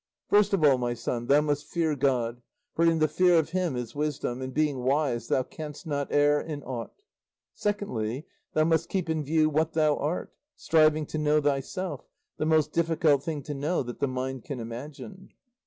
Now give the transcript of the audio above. "First of all, my son, thou must fear God, for in the fear of him is wisdom, and being wise thou canst not err in aught. "Secondly, thou must keep in view what thou art, striving to know thyself, the most difficult thing to know that the mind can imagine.